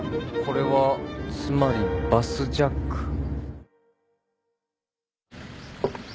これはつまりバスジャック。